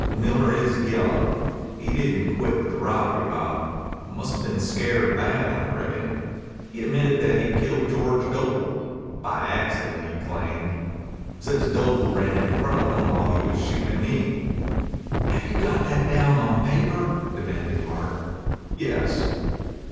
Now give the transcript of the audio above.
Miller's yellow. He didn't quit with the robbery, Bob. Must have been scared bad, I reckon. He admitted that he killed George Doble by accident, he claimed. Says Doble ran in front of him while he was shooting at me." "Have you got that down on paper?" demanded Hart. "Yes."